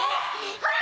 ほら！